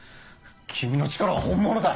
君の力は本物だ！